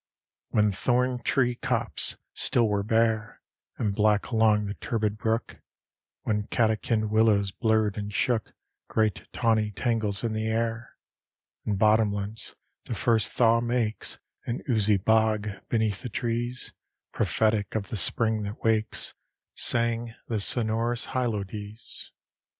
L When thorn tree copses still were bare And black along the turbid brook; When catkined willows blurred and shook Great tawny tangles in the air; In bottomlands, the first thaw makes An oozy bog, beneath the trees, Prophetic of the spring that wakes, Sang the sonorous hylodes.